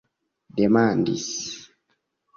demandis